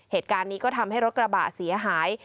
เหตุการณ์นี้ก็ทำให้รถกระบะเสียหาย